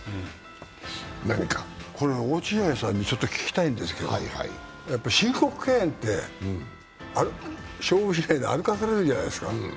落合さんにちょっと聞きたいんですけどね、申告敬遠って勝負しないで歩かされるじゃないですか。